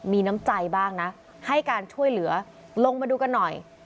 มีน้ำใจบ้างนะให้การช่วยเหลือลงมาดูกันหน่อย